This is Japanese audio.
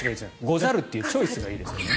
「ござる」というチョイスがいいですね